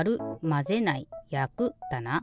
「まぜない」「やく」だな？